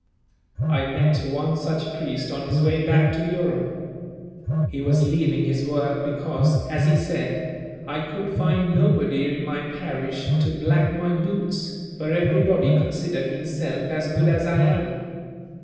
I met one such priest on his way back to Europe. He was leaving his work because, as he said, "I could find nobody in my parish to black my boots, for everybody considered himself as good as I am.